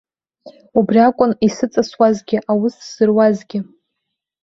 Убри акәын исыҵасуазгьы, аус сзыруазгьы.